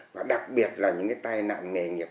và đặc biệt là những cái tai nạn nghề nghiệp